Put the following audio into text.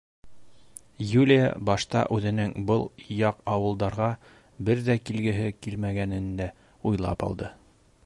Юлия башта үҙенең был яҡ ауылдарға бер ҙә килгеһе килмәгәнен дә уйлап алды.